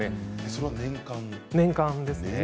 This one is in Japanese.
それは年間？年間ですね。